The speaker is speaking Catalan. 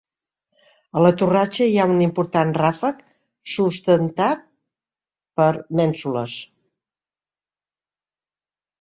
A la torratxa hi ha un important ràfec sustentat per mènsules.